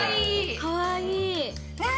かわいい。